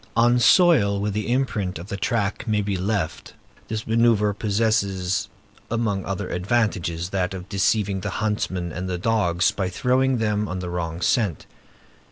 On soil where an imprint of the track may be left, this manœuvre possesses, among other advantages, that of deceiving the huntsmen and the dogs, by throwing them on the wrong scent.